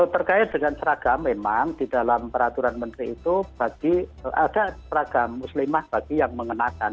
terkait dengan seragam memang di dalam peraturan menteri itu bagi ada seragam muslimah bagi yang mengenakan